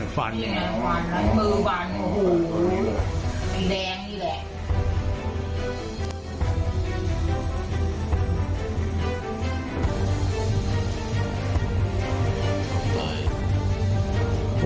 ฟันมือฟันโอ้โห